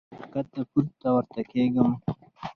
چې ښکته پورته ورته کېږم -